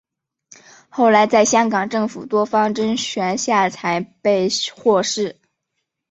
后来在香港政府多方斡旋之下才被获释。